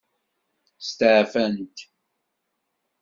Steɛfant.